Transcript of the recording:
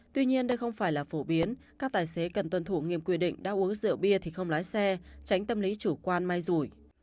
tuy nhiên đây không phải là phổ biến các tài xế cần tuân thủ nghiêm quy định đã uống rượu bia thì không lái xe tránh tâm lý chủ quan may rủi